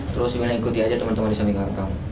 terus ingin ikuti aja teman teman disaming angkang